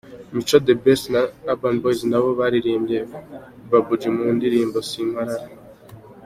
Mico The Best na Urban Boyz na bo baririmbye Babuji mu ndirimbo ‘Simparara’.